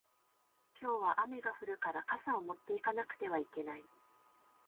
今日は雨が降るから傘を持って行かなくてはいけない